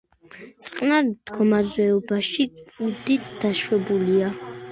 წყნარ მდგომარეობაში კუდი დაშვებულია.